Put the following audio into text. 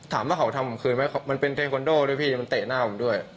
ถามว่าเขาทำผมคืนไหมมันเป็นเทคอนโดด้วยพี่มันเตะหน้าผมด้วย